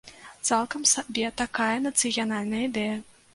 Цалкам сабе такая нацыянальная ідэя.